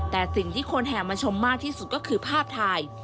แต่สิ่งที่คนแห่มาชมมากที่สุดก็คือภาพถ่าย